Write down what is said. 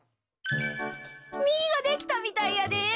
みができたみたいやで！